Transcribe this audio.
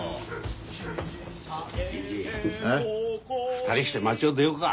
２人して町を出ようか。